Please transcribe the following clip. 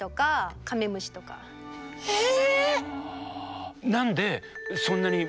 ええ！